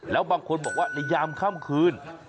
แล้วบางคนบอกว่าในยามค่ำคืน